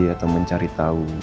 atau mencari tahu